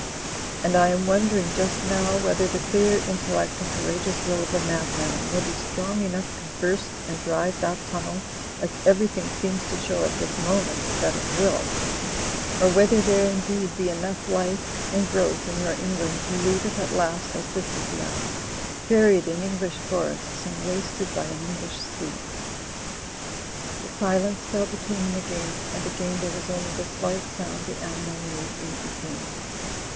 And I am wondering just now whether the clear intellect and courageous will of a madman will be strong enough to burst and drive that timnel, as everything seems to show at this moment that it will. Or whether there Digitized by CjOOQ IC 96 THE FLYING INN be indeed enough life and growth in your England to leave it at last as this is left, buried in English forests and wasted by an English sea." The silence fell between them again, and again there was only the slight sound the animal made in eating.